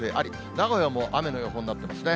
名古屋も雨の予報になってますね。